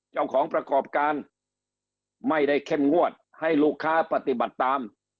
เจ้าของประกอบการไม่ได้เข้มงวดให้ลูกค้าปฏิบัติตาม